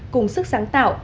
cùng sức sáng tạo